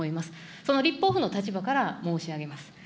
その立法府の立場から申し上げます。